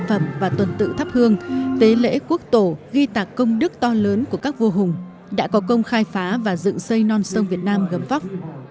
ở lào thì chúng tôi được chứng kiến lễ hô thần nhập tượng